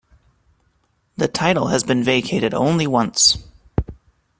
The title has been vacated only once.